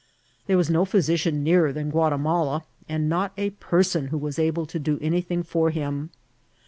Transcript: There was no jAysician nearer than Guatimala, and not a person who was able to do anything for him.